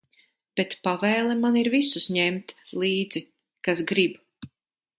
Bet pavēle man ir visus ņemt līdzi, kas grib.